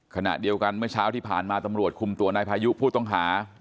ขณะเดียวกันเมื่อเช้าที่ผ่านมาตำรวจคุมตัวนายพายุผู้ต้องหา